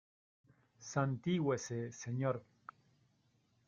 santígüese, señor.